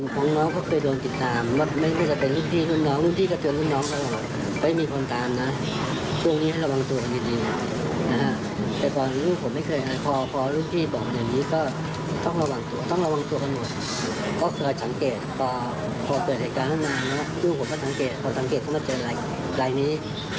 วัดสาคอนศุลประชาศัณฐ์ย่านโชคชัยศรี